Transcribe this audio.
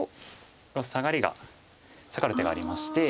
サガリがサガる手がありまして。